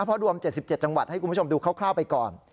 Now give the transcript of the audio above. เพราะรวม๗๗จังหวัดให้คุณผู้ชมดูคร่าวไปก่อน